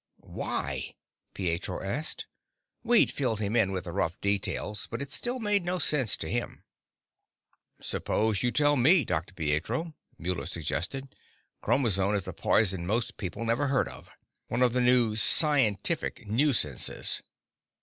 "Why?" Pietro asked. We'd filled him in with the rough details, but it still made no sense to him. "Suppose you tell me, Dr. Pietro," Muller suggested. "Chromazone is a poison most people never heard of. One of the new scientific nuisances."